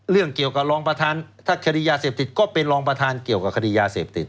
เรื่องเกี่ยวกับรองประธานถ้าคดียาเสพติดก็เป็นรองประธานเกี่ยวกับคดียาเสพติด